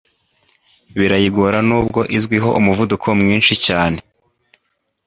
birayigora nubwo izwiho umuvuduko mwinshi cyane